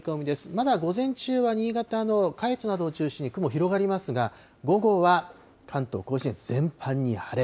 まだ午前中は新潟の下越などを中心に雲、広がりますが、午後は関東甲信越全般に晴れ。